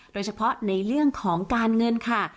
โดยเฉพาะในเรื่องของการเงินค่ะ